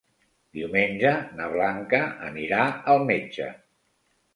Diumenge na Blanca anirà al metge.